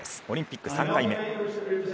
オリンピック３回目。